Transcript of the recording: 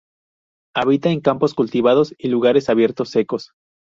Habita en campos cultivados y lugares abiertos secos.